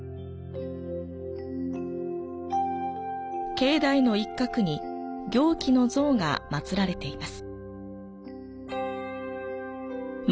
境内の一角に行基の像が祀られています。